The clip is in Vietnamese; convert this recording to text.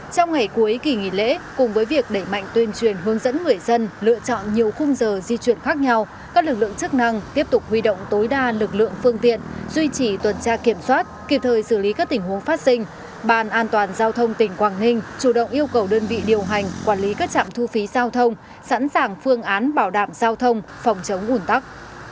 trong ngày cuối kỳ nghỉ lễ cùng với việc đẩy mạnh tuyên truyền hướng dẫn người dân lựa chọn nhiều khung giờ di chuyển khác nhau các lực lượng chức năng tiếp tục huy động tối đa lực lượng phương tiện duy trì tuần tra kiểm soát kịp thời xử lý các tình huống phát sinh bàn an toàn giao thông tỉnh quảng ninh chủ động yêu cầu đơn vị điều hành quản lý các trạm thu phí giao thông sẵn sàng phương án bảo đảm giao thông phòng chống ủn tắc